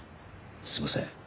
すみません。